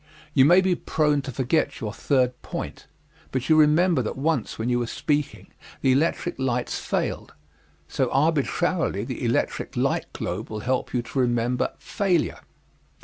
You may be prone to forget your third point, but you remember that once when you were speaking the electric lights failed, so arbitrarily the electric light globe will help you to remember "failure."